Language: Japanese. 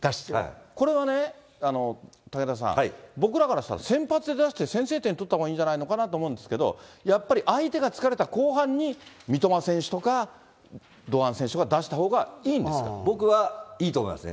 これはね、武田さん、僕らからしたら先発で出して、先制点取ったほうがいいんじゃないかなと思うんですけど、やっぱり相手が疲れた後半に、三笘選手とか、堂安選手を出したほう僕はいいと思いますね。